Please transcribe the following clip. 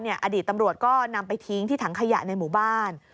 อดีตตำรวจก็นำไปทิ้งที่ถังขยะในหมู่บ้าน